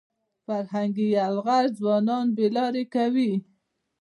فرهنګي یرغل ځوانان بې لارې کوي.